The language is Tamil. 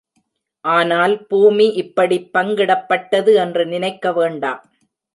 ஆனால் பூமி இப்படிப் பங்கிடப்பட்டது என்று நினைக்க வேண்டாம்.